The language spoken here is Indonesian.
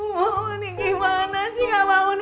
mu ini gimana sih gak bangun